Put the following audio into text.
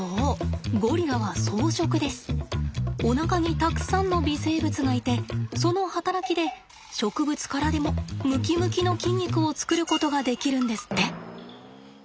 おなかにたくさんの微生物がいてその働きで植物からでもムキムキの筋肉を作ることができるんですって。